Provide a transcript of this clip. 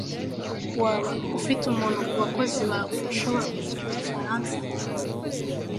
Waba ufite umuntu ku bakozi bawe ushobora kuvuga igifaransa?